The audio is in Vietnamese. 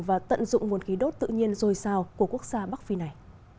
và tận dụng nguồn khí đốt tự nhiên dồi dào của quốc gia bắc phi này